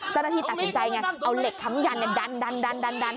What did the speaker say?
เจ้าหน้าที่ตัดสินใจไงเอาเหล็กค้ำยันดัน